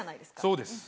そうです。